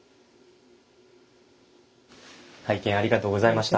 拝見ありがとうございました。